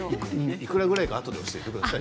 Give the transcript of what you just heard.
いくらぐらいかあとで教えてください。